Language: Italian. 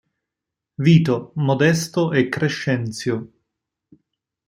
Vito, Modesto e Crescenzio.